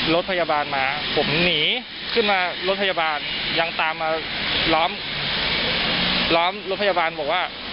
รถพยาบาลมาผมหนีขึ้นมารถพยาบาลยังตามมาล้อมล้อมรถพยาบาลบอกว่า